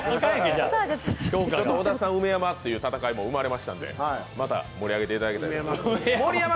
小田さん、梅山という戦いも生まれましたので、また盛り上げてもらえたら。